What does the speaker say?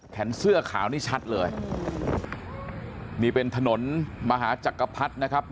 เสื้อขาวนี่ชัดเลยนี่เป็นถนนมหาจักรพรรดินะครับ